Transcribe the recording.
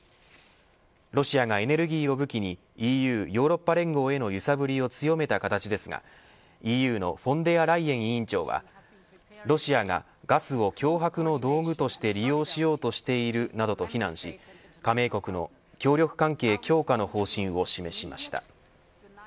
ロシアがエネルギーを武器にＥＵヨーロッパ連合への揺さぶりを強めた形ですがＥＵのフォンデアライエン委員長はロシアがガスの脅迫の道具として利用しようとしてるなどと非難し加盟国の協力関係強化の方針を示しました。